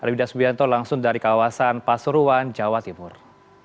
wida subianto langsung dari kawasan pak suruhan jawa timur